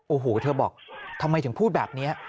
โอ้โหเธอบอกทำไมถึงพูดแบบนี้